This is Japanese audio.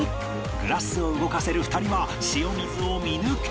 グラスを動かせる２人は塩水を見抜けるか？